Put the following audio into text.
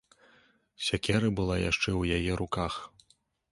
Сякера была яшчэ ў яе руках.